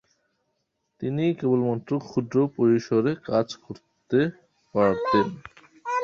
তিনি কেবলমাত্র ক্ষুদ্র পরিসরে কাজ করতে পারতেন।